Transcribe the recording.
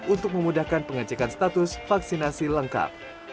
untuk memudahkan pengecekan status vaksinasi lengkap